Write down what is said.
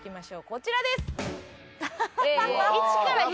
こちらです。